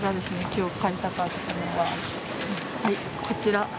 こちら。